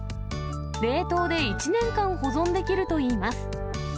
冷凍で１年間保存できるといいます。